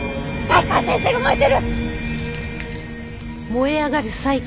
才川先生が燃えてる！